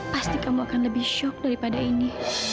pasti kamu akan lebih shock daripada ini